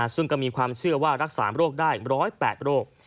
ซึ่งก็มีความเชื่อว่ารักษาโรคได้๑๐๘โรค